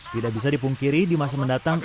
tidak bisa dipungkiri di masa mendatang